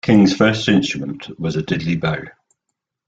King's first instrument was a diddley bow.